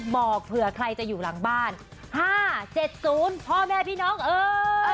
บอกเผื่อใครจะอยู่หลังบ้านห้าเจ็ดศูนย์พ่อแม่พี่น้องเออเออ